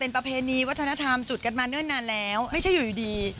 ประเพณีวัฒนธรรมจุดกันมาเนิ่นนานแล้วไม่ใช่อยู่ดี